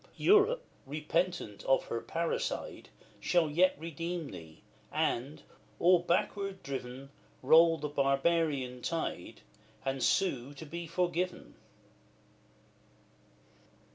Europe, repentant of her parricide, Shall yet redeem thee, and, all backward driven, Roll the barbarian tide, and sue to be forgiven.